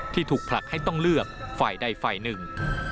ถูกผลักให้ต้องเลือกฝ่ายใดฝ่ายหนึ่ง